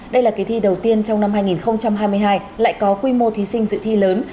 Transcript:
đây là kỳ thi đầu tiên trong năm hai nghìn hai mươi hai lại có quy mô thí sinh dự thi lớn